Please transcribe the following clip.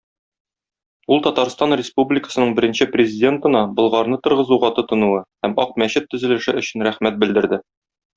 Ул Татарстан Республикасының беренче Президентына Болгарны торгызуга тотынуы һәм Ак мәчет төзелеше өчен рәхмәт белдерде.